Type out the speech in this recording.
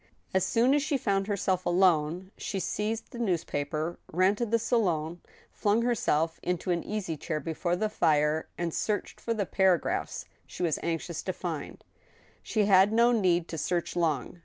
As soon as she found herself alone, she seized the newspaper, ran to the scUoUy flung herself into an easy chair before the fire, and searched for the paragraphs she was anxious to find. She had no need to search long.